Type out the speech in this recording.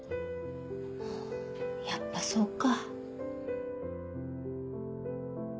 あぁやっぱそうか。